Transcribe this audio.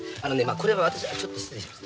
これは私ちょっと失礼します。